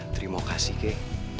terima kasih kei